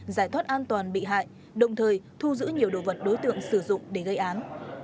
giải thoát an toàn bị hại đồng thời thu giữ nhiều đồ vật đối tượng sử dụng để gây án